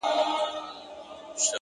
لوړ شخصیت په عاجزۍ ښکاري!